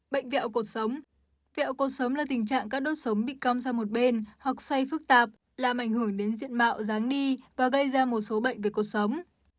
bệnh vẹo cột sống vẹo cột sống là tình trạng các đốt sống bị cong sang một bên hoặc xoay phức tạp làm ảnh hưởng đến diện mạo ráng đi và gây ra một số bệnh về cột sống